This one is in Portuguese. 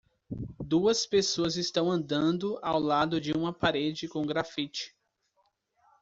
Duas pessoas estão andando ao lado de uma parede com graffiti.